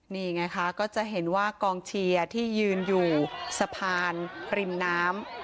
นี่ไงคะก็จะเห็นว่ากองเชียร์ที่ยืนอยู่สะพานริมน้ำ